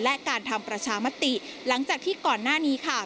และการทำประชามติหลังจากที่ก่อนหน้านี้ค่ะ